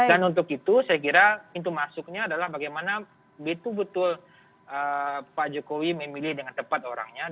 dan untuk itu saya kira pintu masuknya adalah bagaimana betul betul pak jokowi memilih dengan kebijakan yang penting